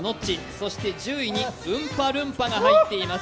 そして１０位にウンパルンパが入っています。